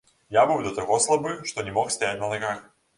Я быў да таго слабы, што не мог стаяць на нагах.